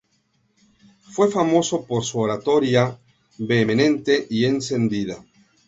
Fue famoso por su oratoria vehemente y encendida.